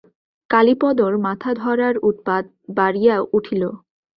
কালীপদর মাথাধরার উৎপাত বাড়িয়া উঠিল।